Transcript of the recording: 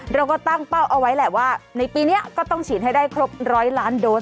เราก็ตั้งเป้าเอาไว้แหละว่าในปีนี้ก็ต้องฉีดให้ได้ครบ๑๐๐ล้านโดส